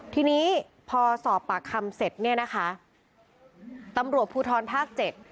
ทีนี้พอสอบปากคำเสร็จเนี่ยนะคะตำรวจภูทรภาคเจ็ด